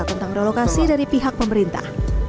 tentang relokasi dari pihak pemerintah